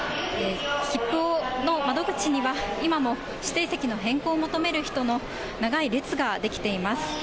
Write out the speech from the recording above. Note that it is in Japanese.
切符の窓口には、今も指定席の変更を求める人の長い列が出来ています。